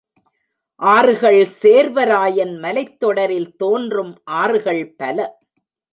ஆறுகள் சேர்வராயன் மலைத்தொடரில் தோன்றும் ஆறுகள் பல.